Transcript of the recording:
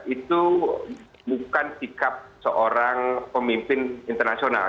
itu bukan sikap seorang pemimpin internasional